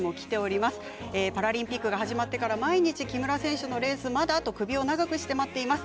パラリンピックが始まってから毎日、木村選手のレースまだ？と首を長くして待っています。